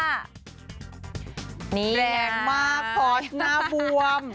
แรงมากพอร์ตหน้าบวม